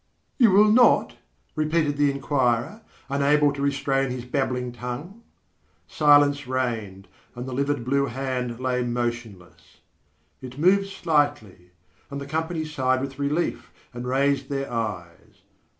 "You will not?" repeated the inquirer, unable to restrain his babbling tongue. Silence reigned, and the livid blue hand lay motionless. It moved slightly, and the company sighed with relief and raised their eyes.